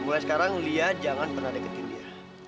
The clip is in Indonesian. mulai sekarang lia jangan pernah deketin dia